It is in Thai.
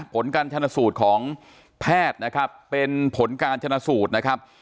ผลการชนสูตรของแพทย์นะครับเป็นผลการชนะสูตรนะครับ